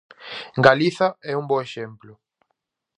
Galiza é un bo exemplo.